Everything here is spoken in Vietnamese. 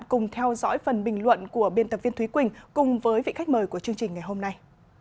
cùng theo dõi phần bình luận của biên tập viên thúy quỳnh cùng với vị khách mời của chương trình ngày hôm nay